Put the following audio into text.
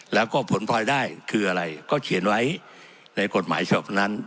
แล้วก็ผลพลอยได้คืออะไรก็เขียนไว้ในกฎหมายฉบับนั้น